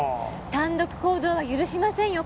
単独行動は許しませんよ